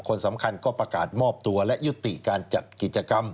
คนสำคัญก็ประกาศมอบตัวและยุติการจัดกิจกรรม